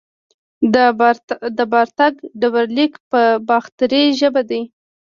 د رباتک ډبرلیک په باختري ژبه دی